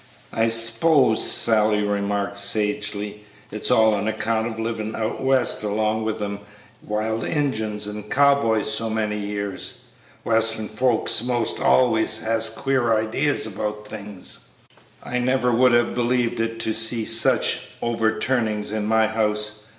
"I s'pose," Sally remarked, sagely, "it's all on account of livin' out west along with them wild Injuns and cow boys so many years. Western folks 'most always has queer ideas about things." "I never would have believed it to see such overturnings in my house!"